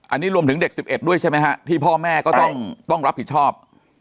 อันนี้รวมถึงเด็ก๑๑ด้วยใช่ไหมฮะที่พ่อแม่ก็ต้องรับผิดชอบ